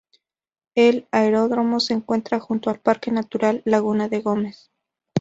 El aeródromo se encuentra junto al Parque Natural Laguna de Gómez.